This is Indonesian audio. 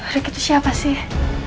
rekat siapa sih